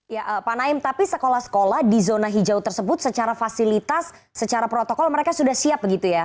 ya pak naim tapi sekolah sekolah di zona hijau tersebut secara fasilitas secara protokol mereka sudah siap begitu ya